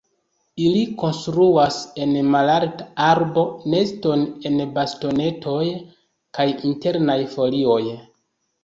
Ili konstruas en malalta arbo neston el bastonetoj kaj internaj folioj.